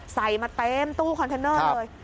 ใส่มาเต็มตู้คอนเทนเนอร์เลย